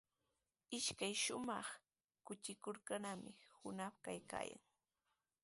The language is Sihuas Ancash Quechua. Ishkay shumaq quyllurkunami hunaqtraw kaykaayan.